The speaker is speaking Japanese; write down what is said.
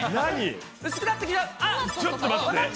ちょっと待って。